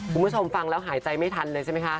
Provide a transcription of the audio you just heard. คุณผู้ชมฟังแล้วหายใจไม่ทันเลยใช่ไหมคะ